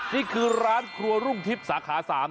นี่คือร้านครัวรุ่งทิพย์สาขา๓